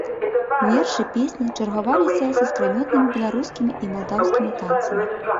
Вершы, песні чаргаваліся з іскрамётнымі беларускімі і малдаўскімі танцамі.